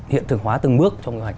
hiện thực hóa từng bước trong quy hoạch